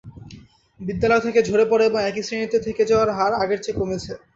বিদ্যালয় থেকে ঝরে পড়া এবং একই শ্রেণীতে থেকে যাওয়ার হার আগের চেয়ে কমেছে।